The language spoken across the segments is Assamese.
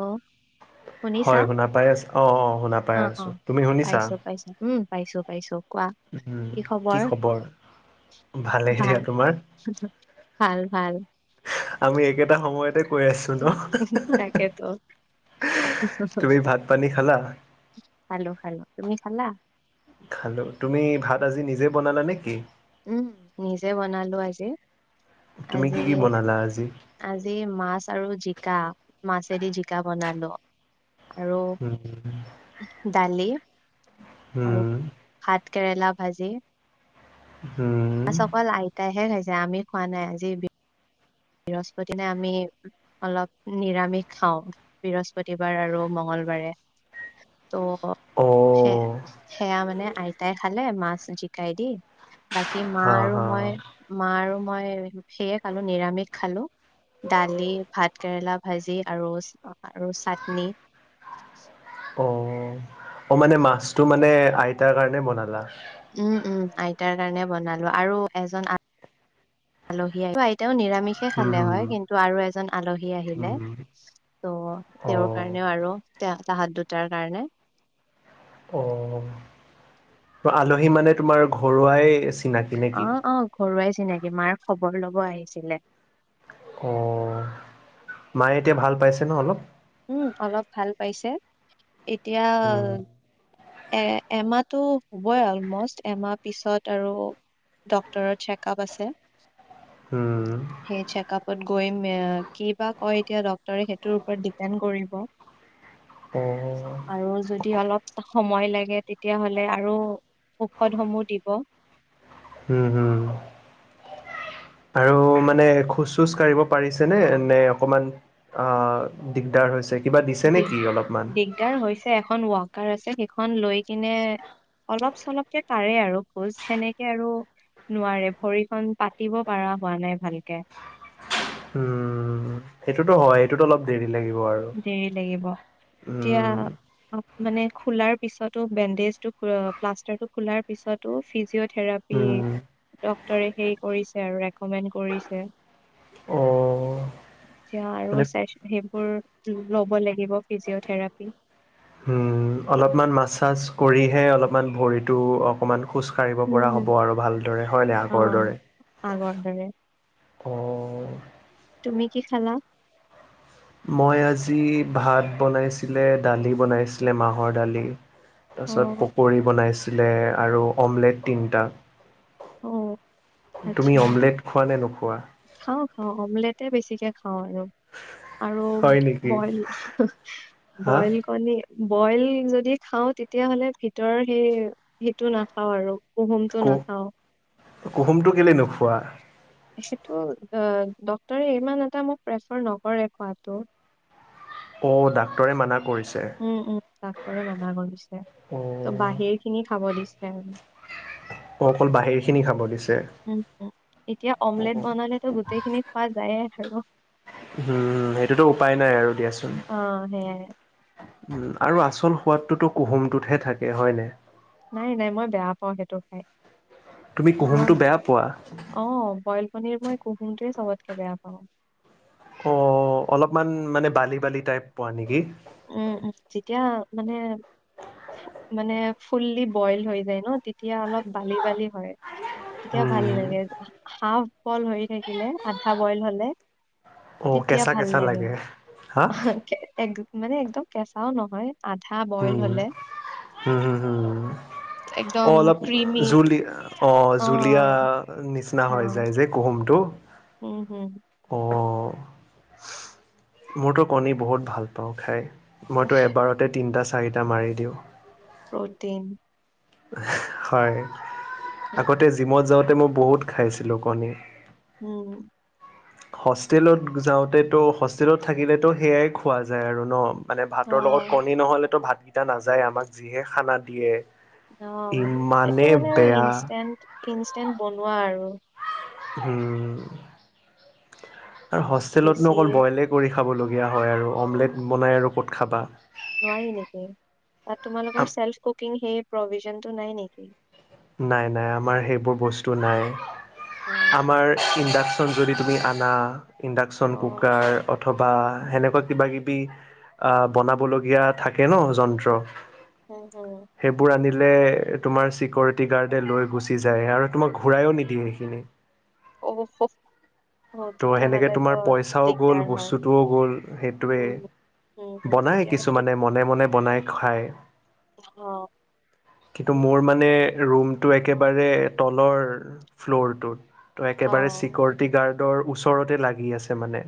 অ', শুনিছা হয় শুনা পাই আছা অ অ শুনা পাই অ', আছো অ', তুমি শুনিছা পাইছো পাইছো উম পাইছো পাইছো কোৱা কি খবৰ ভালেই দিয়া ভাল তোমাৰ ভাল ভাল আমি একেটা সময়তে কৈ আছো ন তাকেতো তুমি ভাত পানী খালা খালো খালো তুমি খালা খালো তুমি ভাত আজি নিজে বনালা নেকি উম নিজে বনালো আজি তুমি কি আজি কি বনালা -আজি মাছ আৰু জি কা মাছেদি জিকা বনালো আৰু দালি আৰু হম ভাত কেৰেলা ভাজি উম চ অকল আইতাইহে খাইছে আমি খোৱা নাই আজি বি বৃহস্পতি দিনাই আমি অলপ নিৰামিষ খাওঁ বৃহস্পতিবাৰ আৰু মঙল মঙ্গলবাৰে হয় [inaudible] ত' সেয়া- সেয়া মানে আইতাই খালে মাছ জিকাই দি বাকী মা হা আৰু হা মই মা আৰু মই সেয়ে খালো নিৰামিষ খালো দালি ভাত কেৰেলা ভাজি আৰু -আৰু চাটনি অ- অ মানে মাছটো মানে আইতাৰ কাৰণে বনালা উম- উম আইতাৰ কাৰণে বনালো আৰু এজন আলহী আইতাও নিৰা নিৰামিষে খালে উম হয় কিন্তু আৰু এজন আলহী উম আহিলে ত' অ তেওঁৰ কাৰণেও আৰু তাহত দুটাৰ কাৰণে অ আলহী মানে তোমাৰ ঘৰুৱাই চিনাকি অ নেকি -অ ঘৰুৱাই চিনাকি মাৰ খবৰ লব আহিছিলে অ মায়ে এতিয়া ভাল পাইছে ন অলপ উম অলপ ভাল পাইছে এতিয়া উম, এ এমাহটো হ'বই অলমষ্ট এমাহ পিছত আৰু ডক্তৰৰ চেকআপ আছে উম, সেই চেকআপত গৈ কি বা কয় এতিয়া ডক্টৰে সেইটোৰ ওপৰত ডিপেণ্ড কৰিব অ', আৰু যদি অলপ সময় লাগে তেতিয়াহলে আৰু ঔষধ সমূহ দিব উম হম আৰু মানে খোজ চোজ কঢ়িব পাৰিছে নে -নে অকমান অ দিগদাৰ হৈছে কিবা দিছে দিগ নেকি অলপমান? দিগদাৰ হৈছে এখন ৱাকাৰ আছে সেইখন লৈ কিনে অলপ চলপকে কাৰে আৰু খোজ সেনেকে আৰু নোৱাৰে ভৰিখন পাতিব পাৰা হোৱা নাই ভালকে উম সেইটোতো হয় এইটোতো অলপ দেৰি লাগিব আৰু। দেৰি লাগিব উম, এতিয়া মানে খোলাৰ পিছতো বেণ্ডেজ টো প্লাষ্টাৰটো খোলাৰ পিছতো ফিজ থেৰাপি উম, ডক্তৰে সেই কৰিছে আৰু ৰেক'মেণ্ড কৰিছে অ', এতিয়া আৰু মানে চেষ্ট সেইবোৰ ল'ব লাগিব ফিজিঅ'থেৰাপি উম অলপমান মাচাছ কৰিহে অলপমান ভৰিটো অকণমান খোজ কঢ়িব পৰা হ'ব উম। আৰু ভালদৰে হয় নাই অ আগৰ দৰে আগৰ দৰে অ তুমি কি খালা মই আজি ভাত বনাইছিলে দালি বনাইছিলে মাহৰ দালি অ তাৰপিছত পকৰি বনাইছিলে আৰু অমলেট তিনিটা অ তুমি আচ্ছা অমলেট খোৱা নে নোখোৱা খাওঁ- খাওঁ অমলেটে বেছিকে খাওঁ। হয় আৰু আৰু হয় নেকি বইল- হা বইল কণী বইল যদি খাওঁ তেতিয়াহ'লে ভিতৰৰ সেই- সেইটো নাখাওঁ আৰু কুহুমটো কু নাখাও। কুহুমটো কেলে নোখোৱা সেইটো ডক্তৰ ইমান এটা মোক প্ৰেফাৰ নকৰে খোৱাটো অ' ডাক্তৰে মানা কৰিছে উম উম ডাক্তৰে মানা কৰিছে ত' অ' বাহিৰ খিনি খাব দিছে আৰু অ অকল বাহিৰ খিনি খাব দিছে উমম এতিয়া অমলেট বনালেতো গোটেই খিনি খোৱা যায়ে আৰু উম সেইটোতো উপায় নাই আৰু দিয়াচোন অ সে [unintelligible] উম আৰু আচল সোৱাদটোতো কুহুমটোতহে থাকে হয় নাই নাই নাই মই বেয়া পাও সেইটো খাই তুমি মই কুহুমটো বেয়া পোৱা অ বইল কনীৰ মই কুহুমটোৱে চবতকে বেয়া পাওঁ। অ অলপমান মানে বালি বালি টাইপ পোৱা নেকি উম উম তেতিয়া মানে মানে ফুল্লি বইল হৈ যায় ন তেতিয়া অলপ বালি বালি হয় তেতিয়া ভাল উম লাগে হাফ বইল হৈ থাকিলে আধা বইল হলে। অ তেতিয়া কেঁচা ভাল কেঁচা লাগে হা এক মানে একদম কেঁচাও নহয় আধা বইল হলে উম হুম উম অ একদম অলপ ক্ৰিমি জুলি অ জুলীয়া নিচিনা নিচনা অ [unintelligible] হৈ যায় যে কুহুমটো উম হম অ মোৰতো কণী বহুত ভাল পাওঁ খাই মইতো এবাৰতে তিনিটা চাৰিটা মাৰি দিওঁ প্ৰটিন হয় আগতে জিমত যাওঁতে মই বহুত খাইছিলো কণী উম হোষ্টেলত যাওঁতেতো হোষ্টেলত থাকিলেতো সেইয়াই খোৱা যায় আৰু ন মানে অ ভাতৰ লগত কণী নহ'লেতো ভাতকেইটা নাযায় আমাক যিহে খানা দিয়ে। অ এইেইটো ইমানেই মানে আৰু বেয়া ইনেণ্ট ইনষ্টেন্ট বনোৱা আৰু উম আৰু বেছি হোষ্টেলতনো অকল বইলে কৰি খাবলগীয়া হয় আৰু অমলেট বনাই আৰু ক'ত খাবা নোৱাৰি নেকি তাত তোমালোকৰ চেলফ কুকিং সেই প্ৰভিজনটো নাই নেকি ন নাই আমাৰ সেইবোৰ বস্তু নাই অ আম উন্দাক [unintelligible] যদি তুমি আনা ইন্দাকচন, অ কুকাৰ অথবা সেনেকুৱা কিবা কিবি আহ বনাবলগীয়া থাকে ন যন্ত্ৰ উম হম সেইবোৰ তোমাৰ চিকিউৰিটি গাৰ্ডে লৈ গুচি যায় আৰু তোমাক ঘূৰাইযো নিদিয়ে সেইখিনি অৱশ্যয় [unintelligible] ত' সেনেকে তোমাৰ পইচাও গ'ল হয় বস্তুটোও গ'ল উম হম সেইটোৱেই হম বনাই তেতিয়াহলেতো কিছুমানে মনে মনে বনাই খায়। অ কিন্তু মোৰ মানে ৰুমটো একেবাৰে তলৰ ফ্ল'ৰটোত ত' অ একেবাৰে চিকিউৰিটি গাৰ্ডৰ ওচৰতে লাগি আছে মানে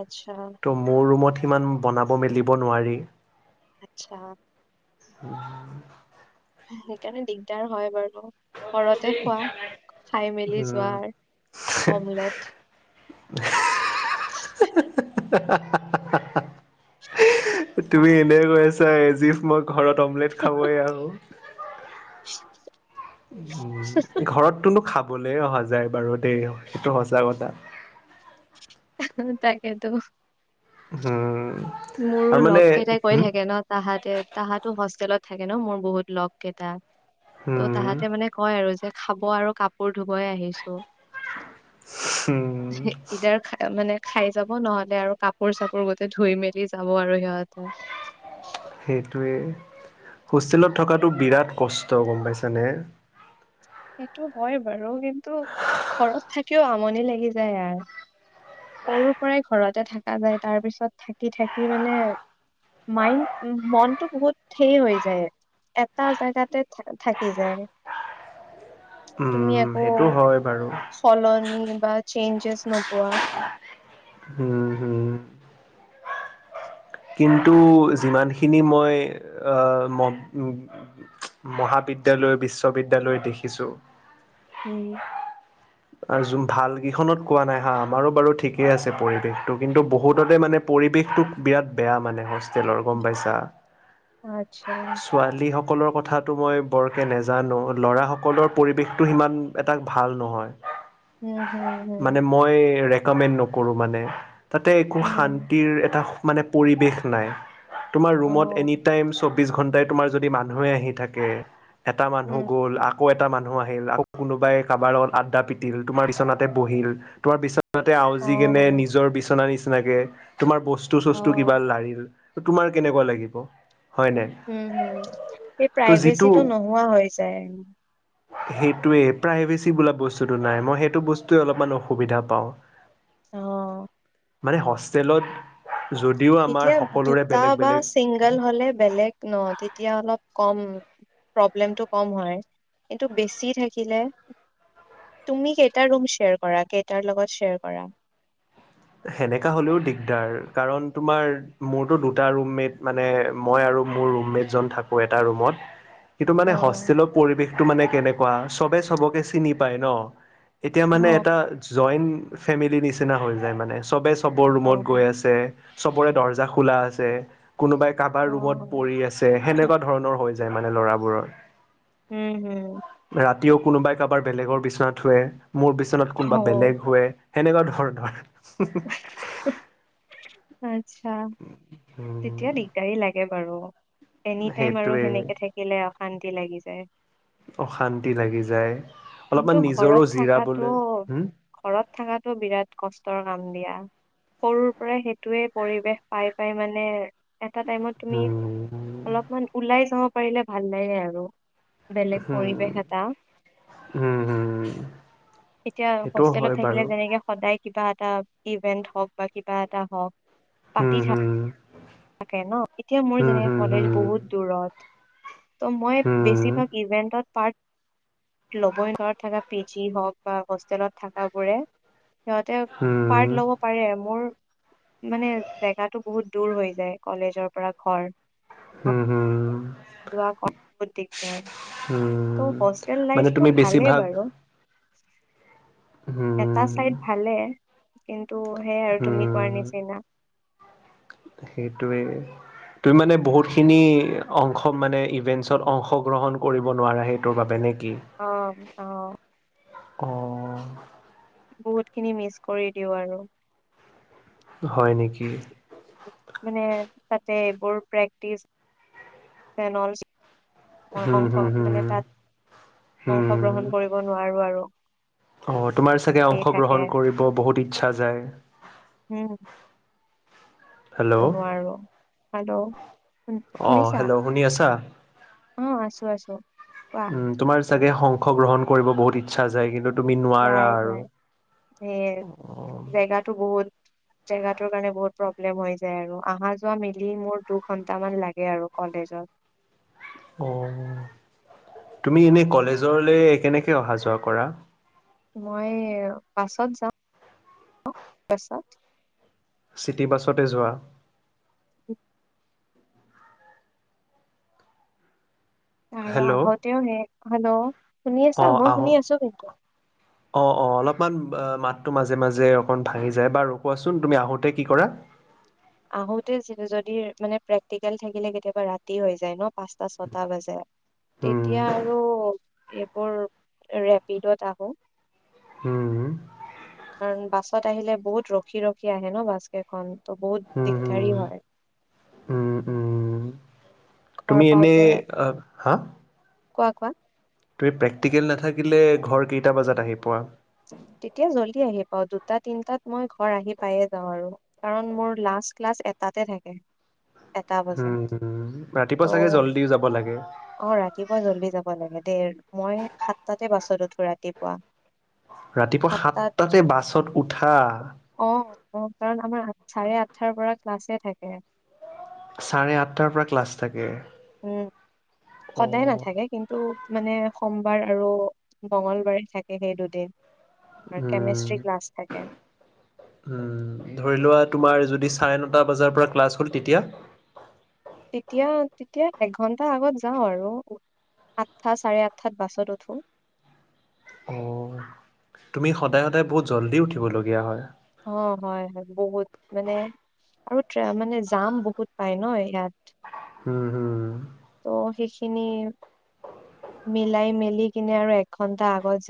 আচ্ছা ত' মোৰ ৰুমত সিমান বনাব মেলিব নোৱাৰি। আচ্ছা উ [unintelligible] সেইকাৰণে দিগদাৰ হয় বাৰু ঘৰতে খোৱা খাই মেলি যোৱাৰ উম অমলেট [unintelligible] তুমি এনে কৈ আছা এজিফ মোক ঘৰত অমলেট খাবই আৰু [unintelligible] ঘৰতনো খাব বলে অহা যায় বাৰু দেই সেইটো সঁচা কথা তাকেটো উম মোৰো আৰু মানে লগ কেইটাই কৰি হম থাকে ন তাহাতে তাহাতো হোষ্টেলত থাকে ন মোৰ বহুত লগ কেইটা ত' হম তাহাতে মানে কয় আৰু যে খাব আৰু কাপোৰ ধুবাই আহিছো হম ইঈদাৰ খ [unintelligible] মানে খাই যাব নহলে আৰু কাপোৰ চাপোৰ গোতে ধুই মেলি যাব আৰু সিহতে সেইটোৱে হোষ্টেলত থকাতটো বিৰাট কষ্ট গম পাইছানে। সেইটো হয় বাৰু কিন্তু ঘৰত থাকিও আমনি লাগি যায় আৰু সৰুৰ পৰাই ঘৰতে থকা যায় তাৰ পিছত থাকি থাকি মানে মাইণ্ড মনটো বহুত হেৰি হৈ যায় এটা জেগাতে থাকি যায় তুমি উম আকৌ সেইটো হয় বাৰু ফলনি বা [unintelligible] চেইঞ্জেছ নপোৱা হম হম কিন্তু যিমানখিনি মই মহ বিদ্যালয় বিশ্ববিদ্যালয় দেখিছোঁ উম ভাল কেইখনত কোৱা নাই হা আমাৰো বাৰু ঠিকেই আছে পৰিৱেশ তো কিন্তু বহুততে মানে মানে পৰিৱেশটোক বিৰাট বেয়া মানে হোষ্টেলৰ গম পাইছা আচ্ছা ছোৱালী হক সকলৰ কথাটো মই বৰকৈ নজানো ল'ৰাসকলৰ পৰিৱেশটো সিমান এটা ভাল নহয় উম হম হম মানে মই ৰেকমেণ্ড নকৰো মানে তাতে একো উম শান্তিৰ এটা মানে পৰিৱেশ নাই তোমাৰ অ ৰুমত এনি টাইম চব সোবিশ [unintelligible] ঘণ্টাই যদি মানুহে আহি থাকে এটা মানু্হ উম গল আকৌ এটা এটা মানুহ আহিল আকৌ কোনোবাই কাবাৰ লগত আড্ডা পিতিল তোমাৰ বিচনাতে বহিল তোমাৰ বিচনা ত তাতে অ আওজি কেনে নিজৰ বিচনা নিচিনাকে তোমাৰ বস্তু অ চস্তু কিবা লাৰিল তোমাৰ কেনেকুৱা লাগিব হয় নাই উম হম এই ত' যিটো প্ৰাইভেচিটো নোহোৱা হৈ যায় সেইটোৱে প্ৰাইভেচি বোলা বস্তুতটো নাই মই সেইটো বস্তুৱে অলপমান অসুবিধা পাওঁ। আহ মানে হোষ্টেলত যদিও আমাৰ এতিয়া সকলোৰে দুটা বেলেগ বা বেলেগ চিংগল হলে বেলেগ ন তেতিয়া অলপ কম প্ৰব্লেমটো কম হয় কিন্তু বেছি থাকিলে তুমি কেইটা ৰুম শ্বেয়াৰ কৰা কেইটাৰ লগত শ্বেয়াৰ কৰা সেনেকা হ'লেও দিগদাৰ কাৰণ তোমাৰ মোৰতো দুটা ৰুমমেট মানে মই আৰু আৰু মোৰ ৰুমমেটজন থাকোঁ এটা ৰুমত সেইটো মানে অ', হোষ্টেলৰ পৰিৱেশটো মানে কেনেকুৱা চবে চবকে চিনি পায় ন এতিয়া মানে অ', এটা জইণ্ট ফেমিলি নিচিনা হৈ যায় মানে চবে চবৰ ৰুমত অ', গৈ আছে চবৰে দৰ্জা খোলা আছে কোনোবাই কাৰোবাৰ ৰুমত উম, পৰি আছে সেনেকুৱা ধৰণৰ হৈ যায় মানে ল'ৰাবোৰৰ উম হম ৰাতিও কোনোবাই কাৰোবাৰ বেলেগৰ বিচনাত শুৱে মোৰ বিচনাত কোনোবা অ', বেলেগ শুয়ে সেনেকুৱা ধৰনৰ আচ্ছা উম তেতিয়া দিগদাৰী লাগে বাৰু এনি টাইম আৰু সেইটোৱে সেনেকে থাকিলে অশান্তি লাগি যায় অশান্তি লাগি যায় কিন্তু অলপমান নিজৰো ঘৰত থকাটো জিৰাবলৈ হম ঘৰত থকাটো বিৰাট কষ্ট কাম দিয়া সৰুৰ পৰা সেইটোৱে পৰিৱেশ পাই পাই মানে এটা টাইমত তুমি হম অলপমান ওলাই যাব পাৰিলে ভাল লাগে আৰু বেলেগ হম পৰিৱেশ এটা হম হম এতিয়া সেইটোও হোষ্টেলত হয় থাকিলে বাৰু যেনেকে সদায় কিবা এটা ইভেন্ট হওক বা কিবা এটা হওক উম হম তাকে ন এতিয়া মোৰ হম যেনেকে হম হম কলেজ বহুত দূৰত ত' মই বেছিভাগ ইভেন্টত পাৰ্ট লবই ঘৰত থকা পি জি হওক বা হোষ্টেলত থকাবোৰে সিহঁতে হম হম হম পাৰ্ট লব পাৰে মোৰ মানে জেগাটো বহুত দূৰ হৈ কলেজৰ পৰা ঘৰ হম যোৱা কত দিগদাৰ। হম ত' হোষ্টেল মানে লাইফটো তুমি ভালেই বেছিভাগ বাৰু। হম এটা চাইড ভালে কিন্তু ত' সেয়াই আৰু তুমি কোৱাৰ হম নিচিনা সেইটোৱে। তুমি মানে বহুতখিনি অংশ মানে ইভেন্টছত অংশগ্ৰহণ কৰিব নোৱাৰা সেইটোৰ বাবে ন অ অহ। উম বহুতখিনি মিচ কৰি দিওঁ আৰু হয় নেকি? মানে তাতে এইবোৰ প্ৰেক্টিচ ফেনল মই হুম অংশ হুম হুম মানে হুম তাত হুম অংশগ্ৰহণ কৰিব নোৱাৰো আৰু অ তোমাৰ চাগে হেৰি থাকে অংশগ্ৰহণ কৰিব বহুত ইচ্ছা যায় উম হেল্ল' সেইটো নোৱাৰো হেল্ল' শুন অ শুনিছা হেল্ল' শুনি আছা। অ আছো, আছো। কোৱা উম তোমাৰ চাগে সংশ গ্ৰহণ কৰিব বহুত ইচ্ছা যায় কিন্তু তুমি নোৱাৰা যাই আৰু। যায় সে অ' জেগো বহুত জেগাটোৰ কাৰণে বহুত প্ৰব্লেম হৈ যায় আৰু অহা যোৱা মিলি মোৰ দুঘন্টামান লাগে আৰু কলেজত। উ অ তুমি এনে কলেজলে কেনেকে অহা যোৱা কৰা। মই বাছত যাামছত য়ৰ্ক চিটিবাছতে যোৱা। [unintelligible] ন আহ হেল্ল' তেওঁ হে হেল্ল', শুনি আছা অ মই আহো, শুনি আছো কিন্তু অ অ অলপমান ম তোমাৰ যে মাজে অকন ভাঙি যায়, বাৰু কোৱাচোন তুমি আহোতে কি কৰা? আহোতে যদি মানে প্ৰেক্টিকেল থাকিলে কেতিয়াবা ৰাতি হৈ যায় ন। পাঁচটা ছটা বাজে উম, তেতিয়া আৰু এপৰ ৰেপিডত আহো। হম কাৰণ বাছত আহিলে বহুত ৰখি ৰখি আহে ন বাছ কেইখন, ত বহুত উম, উম, দিগদাৰি হয়। উম, উম। ঘৰ তুমি এনে পাওঁতে হা কোৱা কোৱা। তুমি প্ৰেক্টিকেল নাথাকিলে ঘৰ কেইটা বজাত আহি পোৱা। তেতিয়া জল্দি আহি পাও দুটা তিনটাত মই ঘৰ আহি পাই কাৰণ মোৰ লাষ্ট ক্লাছ এটাতে থাকে। এটা বজাত উম ৰাতিপুৱা চাগে ত' জলদিও যাব লাগে। অ ৰাতিপুৱা জল্দি যাব লাগে দে মই সাতটাতে বাছত উঠো। ৰাতিপুৱা। ৰাতিপুৱা সাতটাত সাতটাতে বাছত উঠা। আহ কাৰণ আমাৰ চাৰে আঠাৰ পৰা ক্লাছে থাকে। চাৰে আঠটাৰ পৰা ক্লাছ থাকে। উ সদায় অ', নাথাকে কিন্তু মানে সোমবাৰ আৰু মঙলবাৰে থাকে সেই দুদিন। আৰু উম। কেমেষ্টষ্ট্ৰি ক্লাছ থাকে। উম, ধৰি লোৱা তোমাৰ যদি চাৰে নটা বজাৰ পৰা ক্লাছ হ'ল তেতিয়া তেতিয়া তেতিয়া এঘন্টা আগত যাওঁ আৰু আঠটা চাৰে আঠঠাত বাছত উঠোঁ অ তুমি সদায় সদায় বহুত জল্দি উঠিব লগীয়া হয়। অ হয় হয় বহুত মানে কত জাম [unintelligible] মানে জাম বহুত পাই ন ইয়াত উম হম ত' সেইখিনি মিলাই মেলি কিনে আৰু এক ঘন্টা আগত যা